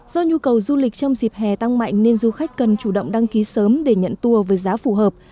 do nhu cầu du lịch trong dịp hè tăng mạnh nên du khách cần chủ động đăng ký sớm để nhận tour với giá phù hợp